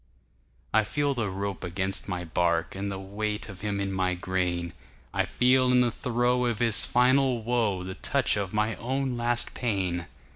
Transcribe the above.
I feel the rope against my bark, And the weight of him in my grain,I feel in the throe of his final woeThe touch of my own last pain.